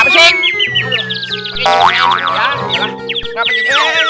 jadi ini soalnya